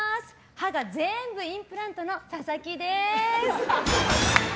歯が全部インプラントの佐々木です。